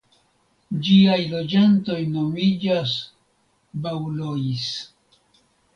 Ĝiaj loĝantoj nomiĝas "Baulois".